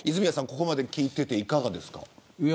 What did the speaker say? ここまで聞いて、いかがですか。